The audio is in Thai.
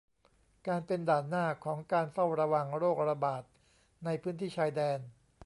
การเป็นด่านหน้าของการเฝ้าระวังโรคระบาดในพื้นที่ชายแดน